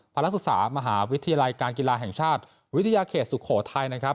นักศึกษามหาวิทยาลัยการกีฬาแห่งชาติวิทยาเขตสุโขทัยนะครับ